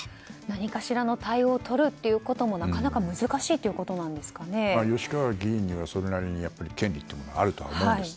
何かしらの対応をとることもなかなか吉川議員には、それなりに権利というものはあると思います。